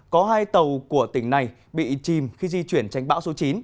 có hai tàu của tỉnh này bị chìm khi di chuyển tránh bão số chín